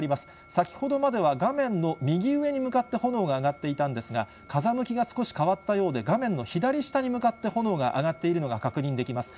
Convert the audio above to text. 先ほどまでは画面の右上に向かって炎が上がっていたんですが、風向きが少し変わったようで、画面の左下に向かって炎が上がっているのが確認できます。